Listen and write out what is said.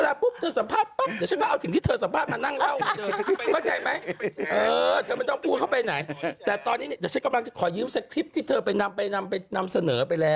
เดี๋ยวคนจะงงว่าคือยังไม่ใช่อย่างนั้น